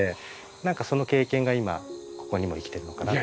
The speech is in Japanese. なんかその経験が今ここにも生きてるのかなと。